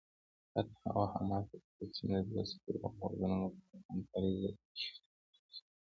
فتح او حماس د فلسطین د دوو سترو غورځنګونو په توګه همکارۍ ظرفیتونه لري.